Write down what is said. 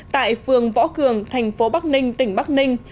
tại phường võ cường thành phố bắc ninh tỉnh bắc ninh